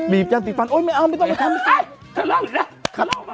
บีบจ้างติดฟันไม่เอาไม่ต้องมาทำ